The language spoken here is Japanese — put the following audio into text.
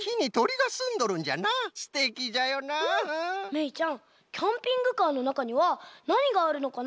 めいちゃんキャンピングカーのなかにはなにがあるのかな？